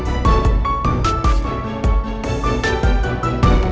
iya om makasih